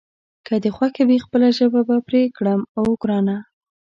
که دې خوښه وي خپله ژبه به پرې کړم، اوه ګرانه.